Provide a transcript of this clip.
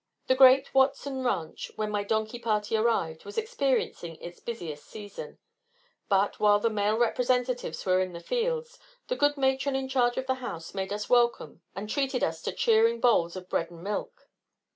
The great Watson Ranch, when my donkey party arrived, was experiencing its busiest season. But, while the male representatives were in the fields, the good matron in charge of the house made us welcome and treated us to cheering bowls of bread and milk.